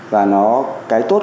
và nó cái tốt